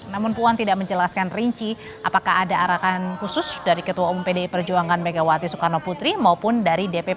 namun puan tidak menjelaskan rinci apakah ada arahan khusus dari ketua umum pdi perjuangan megawati soekarno putri maupun dari dpp